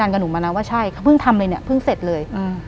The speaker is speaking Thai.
หลังจากนั้นเราไม่ได้คุยกันนะคะเดินเข้าบ้านอืม